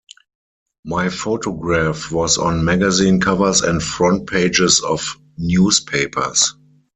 My photograph was on magazine covers and front pages of newspapers.